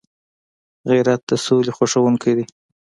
غیرت د سولي خوښونکی دی